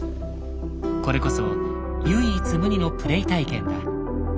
これこそ唯一無二のプレイ体験だ。